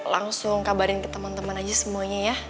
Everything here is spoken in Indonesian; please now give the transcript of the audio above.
langsung kabarin ke temen temen aja semuanya ya